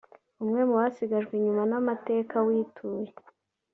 umwe mu basigajwe inyuma n’amateka wituye